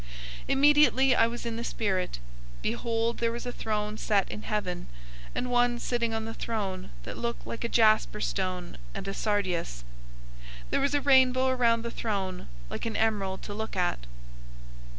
004:002 Immediately I was in the Spirit. Behold, there was a throne set in heaven, and one sitting on the throne 004:003 that looked like a jasper stone and a sardius. There was a rainbow around the throne, like an emerald to look at.